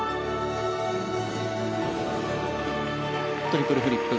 トリプルフリップ。